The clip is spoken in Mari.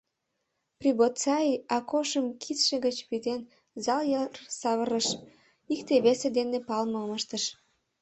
Прибоцаи, Акошым кидше гыч вӱден, зал йыр савырныш, икте-весе дене палымым ыштыш.